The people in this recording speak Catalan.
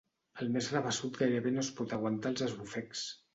El més rabassut gairebé no es pot aguantar els esbufecs.